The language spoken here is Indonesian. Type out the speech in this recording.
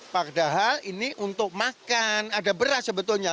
padahal ini untuk makan ada beras sebetulnya